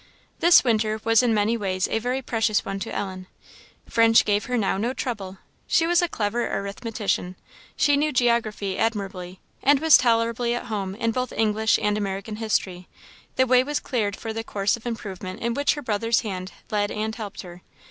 This winter was in many ways a very precious one to Ellen. French gave her now no trouble; she was a clever arithmetician; she knew geography admirably, and was tolerably at home in both English and American history; the way was cleared for the course of improvement in which her brother's hand led and helped her.